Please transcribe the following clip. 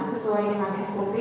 sesuai dengan sop